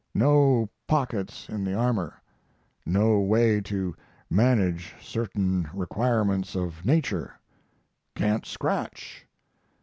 No pockets in the armor. No way to manage certain requirements of nature. Can't scratch.